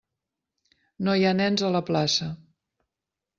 No hi ha nens a la plaça!